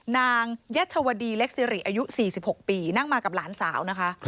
ยัชวดีเล็กซิริอายุ๔๖ปีนั่งมากับหลานสาวนะคะ